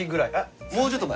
もうちょっと前。